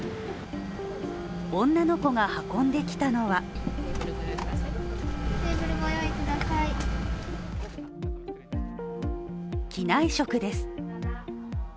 女の子が運んできたのは機内食です。